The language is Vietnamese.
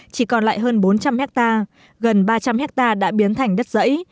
chỉ còn lại hơn bốn trăm linh ha gần ba trăm linh ha đã biến thành đất rẫy